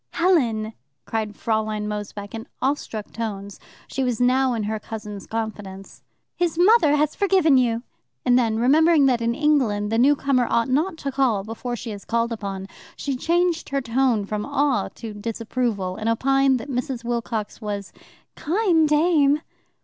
"Helen!" cried Fraulein Mosebach in awestruck tones (she was now in her cousin's confidence) "his mother has forgiven you!" And then, remembering that in England the new comer ought not to call before she is called upon, she changed her tone from awe to disapproval, and opined that Mrs. Wilcox was "keine Dame."